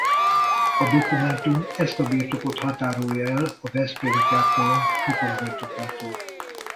A dokumentum ezt a birtokot határolja el a veszprémi káptalan Csopak birtokától.